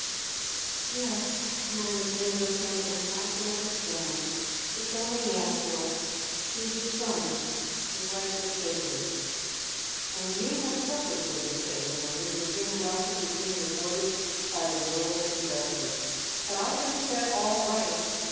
"Yes," murmurs Linda, faintly, "I can understand. It is only natural. He is your son ; your rights are sacred." " And you have suffered for his sake, Linda, Your generosity has been rewarded by the world's injustice. But I can set all right.